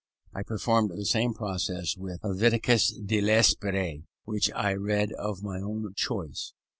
I performed the same process with Helvetius de L'Esprit, which I read of my own choice.